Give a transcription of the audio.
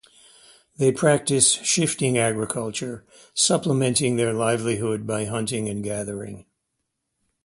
They practice shifting agriculture, supplementing their livelihood by hunting and gathering.